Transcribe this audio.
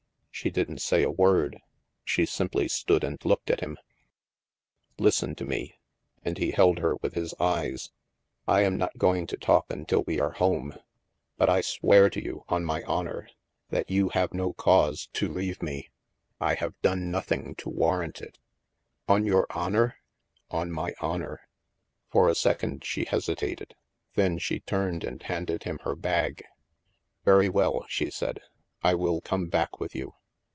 She didn't say a word. She simply stood and looked at him. Listen to me," and he held her with his eyes. I am not going to talk until we are home. But I it (t it it THE MAELSTROM 263 swear to you, on my honor, that you have no cause to leave me. I have done nothing to warrant it." On your honor?" On my honor." For a second she hesitated. Then she turned and handed him her bag. " Very well," she said, " I will come back with you."